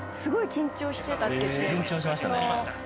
緊張してましたね。